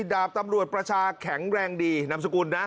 ดาบตำรวจประชาแข็งแรงดีนามสกุลนะ